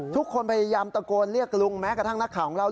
ทุกคนพยายามตะโกนเรียกลุงแม้กระทั่งนักข่าวของเรา